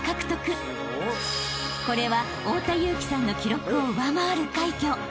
［これは太田雄貴さんの記録を上回る快挙］